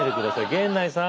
源内さん。